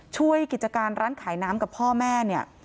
ช่วยกิจการร้านขายน้ำกับพ่อแม่เนี่ย